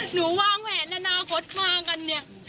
หนูว่างแผนแล้วนาคตมากันเนี่ย